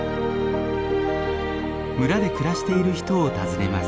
村で暮らしている人を訪ねます。